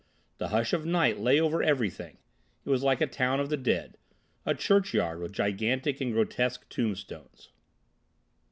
The hush of night lay over everything; it was like a town of the dead, a churchyard with gigantic and grotesque tombstones.